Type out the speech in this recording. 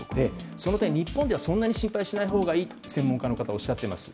その点、日本ではそんなに心配しないほうがいいと専門家の方はおっしゃっています。